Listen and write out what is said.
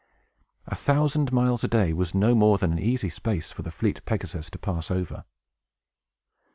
A thousand miles a day was no more than an easy space for the fleet Pegasus to pass over.